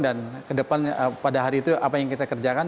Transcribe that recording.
dan ke depan pada hari itu apa yang kita kerjakan